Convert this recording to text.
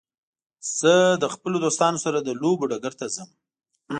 زه له خپلو دوستانو سره د لوبو ډګر ته ځم.